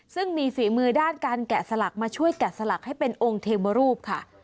ซึ่งมีฝีมือด้านการแกะสลักมาช่วยแกะสลักให้เป็นองค์เทวรูปค่ะ